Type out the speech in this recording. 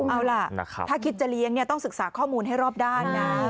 เอาล่ะถ้าคิดจะเลี้ยงต้องศึกษาข้อมูลให้รอบด้านนะ